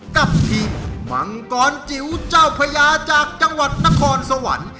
กับทีมมังกรจิ๋วเจ้าพญาจากจังหวัดนครสวรรค์